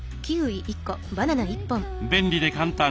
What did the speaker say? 便利で簡単！